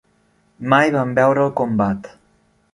Mai van veure el combat.